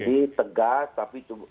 jadi tegas tapi